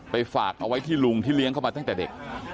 ฝากเอาไว้ที่ลุงที่เลี้ยงเข้ามาตั้งแต่เด็ก